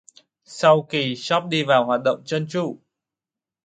Sau kỳ shop đi vào hoạt động trơn tru